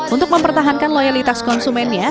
untuk mempertahankan loyalitas konsumennya